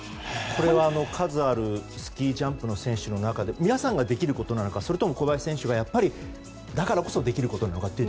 これは数あるスキージャンプの選手の中で皆さんができることなのかそれとも小林選手だからこそできることなのか。